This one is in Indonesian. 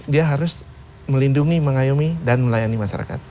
dia harus melindungi mengayomi dan melayani masyarakat